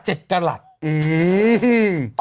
อื้อหือหือ